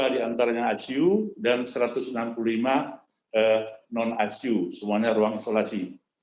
tiga puluh dua diantaranya asyik dan satu ratus enam puluh lima non asyik semuanya ruang isolasi